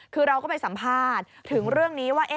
คือเราก็ไปสัมภาษณ์ถึงเรื่องนี้ว่า